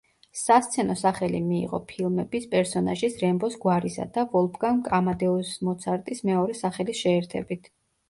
სასცენო სახელი მიიღო ფილმების პერსონაჟის რემბოს გვარისა და ვოლფგანგ ამადეუს მოცარტის მეორე სახელის შეერთებით.